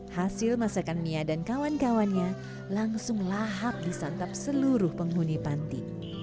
hasil masakan mia dan kawan kawannya langsung lahap disantap seluruh penghuni panti